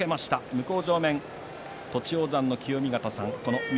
向正面、栃煌山の清見潟さん